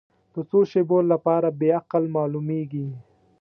د څو شیبو لپاره بې عقل معلومېږي.